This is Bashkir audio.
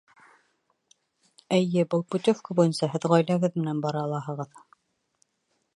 Эйе, был путевка буйынса һеҙ ғаиләгеҙ менән бара алаһығыҙ.